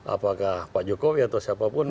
apakah pak jokowi atau siapapun